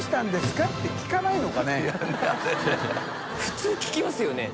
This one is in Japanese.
普通聞きますよね。